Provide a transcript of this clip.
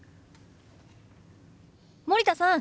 森田さん